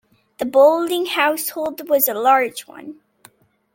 The Bolling household was a large one.